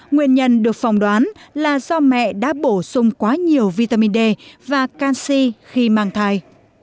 nguyên nhân được phòng đoán là do mẹ đã bổ sung quá nhiều vitamin d và canxi khi mang thai